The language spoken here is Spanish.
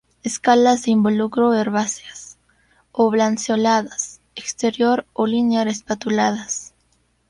Escalas de involucro herbáceas; oblanceoladas exterior o linear-espatuladas.